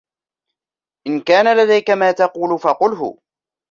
إن كان لديك ما تقول، فقُله.